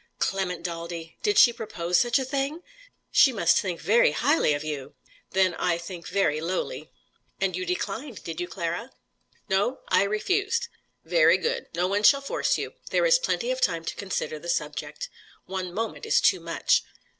"Clement Daldy! Did she propose such a thing? She must think very highly of you!' "Then I think very lowly." "And you declined, did you, Clara?" "No. I refused." "Very good. No one shall force you; there is plenty of time to consider the subject." "One moment is too much."